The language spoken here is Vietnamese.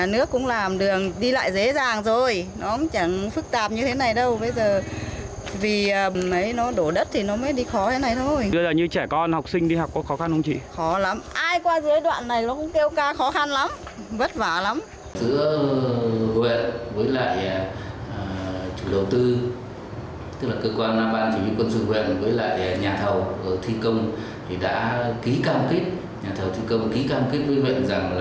tức là cơ quan ban chỉ huy quân sự huyện với nhà thầu thi công đã ký cam kết với huyện rằng